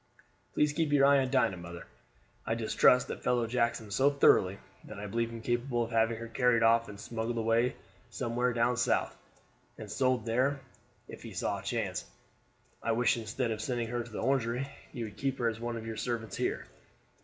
"Please keep your eye on Dinah, mother. I distrust that fellow Jackson so thoroughly that I believe him capable of having her carried off and smuggled away somewhere down south, and sold there if he saw a chance. I wish, instead of sending her to the Orangery, you would keep her as one of your servants here."